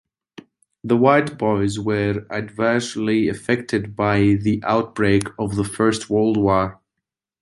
The White Boys were adversely affected by the outbreak of the First World War.